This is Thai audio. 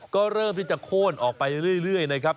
ก็เริ่มที่จะโค้นออกไปเรื่อยนะครับ